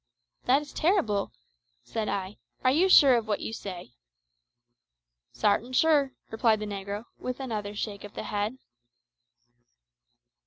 "That is terrible," said I. "Are you sure of what you say?" "Sartin sure," replied the negro, with another shake of the head.